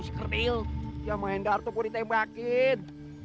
skril ya main dapur ditembakin